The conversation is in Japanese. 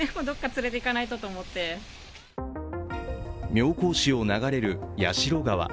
妙高市を流れる矢代川。